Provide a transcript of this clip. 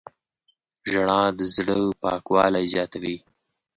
• ژړا د زړه پاکوالی زیاتوي.